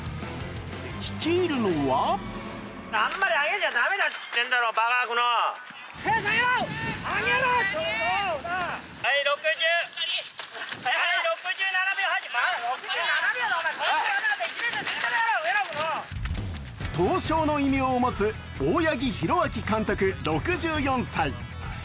率いるのは闘将の異名を持つ大八木弘明監督６４歳。